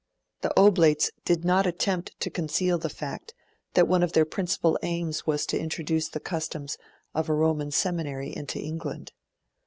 The Oblates did not attempt to conceal the fact that one of their principal aims was to introduce the customs of a Roman Seminary into England.